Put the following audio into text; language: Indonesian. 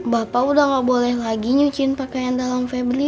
bapak udah gak boleh lagi nyuciin pakaian dalam family